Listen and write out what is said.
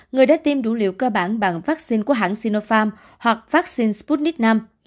người đã tiêm đủ liều cơ bản bằng vaccine của hãng sinopharm hoặc vaccine sputnik v